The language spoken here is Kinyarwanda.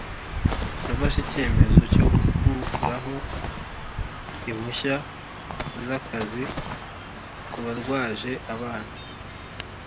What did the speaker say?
Nafashe icyemezo cyo gukuraho impushya z’akazi ku barwaje abana